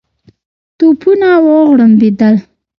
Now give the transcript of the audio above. توپونه وغړمبېدل.